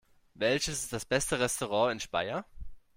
Welches ist das beste Restaurant in Speyer?